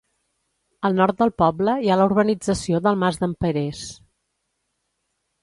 Al nord del poble hi ha la urbanització del Mas d'en Perers.